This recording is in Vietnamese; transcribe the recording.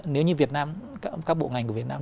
nếu như các bộ ngành của việt nam